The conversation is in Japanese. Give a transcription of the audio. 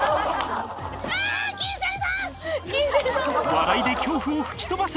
笑いで恐怖を吹き飛ばせ！